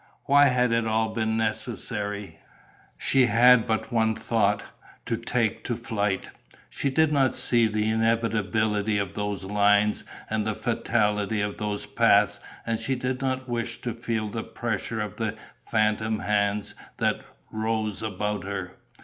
Why had it all been necessary? She had but one thought: to take to flight. She did not see the inevitability of those lines and the fatality of those paths and she did not wish to feel the pressure of the phantom hands that rose about her.